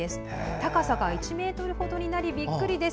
高さが１ｍほどになりびっくりです。